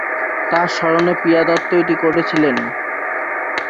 তাঁর স্মরণে প্রিয়া দত্ত এটি করেছিলেন।